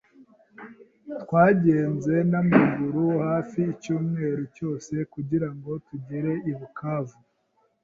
twagenze n’amaguru hafi icyumweru cyose kugira ngo tugere i Bukavu,